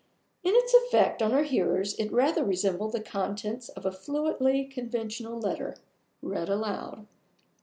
In its effect on her hearers it rather resembled the contents of a fluently conventional letter, read aloud.